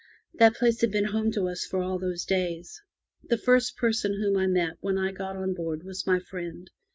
That place had been home to us for all those days. The first person whom I met when 1 got on board was my friend.